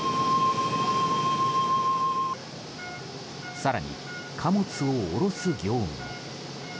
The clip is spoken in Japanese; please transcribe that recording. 更に、貨物を下ろす業務も。